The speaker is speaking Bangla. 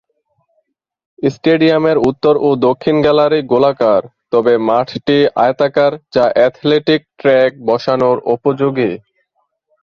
স্টেডিয়ামের উত্তর ও দক্ষিণ গ্যালারি গোলাকার, তবে মাঠটি আয়তাকার যা অ্যাথলেটিক ট্র্যাক বসানোর উপযোগী।